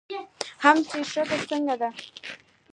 هم چې ښځه څنګه ده